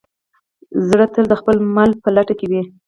زړه تل د خپل مل په لټه کې وي.